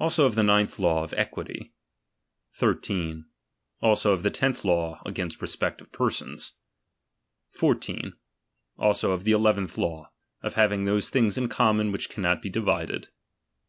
Also of the ninth law, of equity. 13. Also of the tenth law, against respect of persons. 14. Also of the eleventh law, of having those things in common which cannot be divided.